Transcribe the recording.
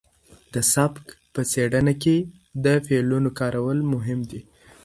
د سبک په څېړنه کې د فعلونو کارول مهم دي.